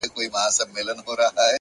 لوړ همت ستړې ورځې کوچنۍ کوي.